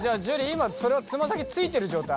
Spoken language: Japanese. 今それつま先ついてる状態？